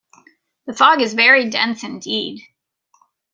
The fog is very dense indeed!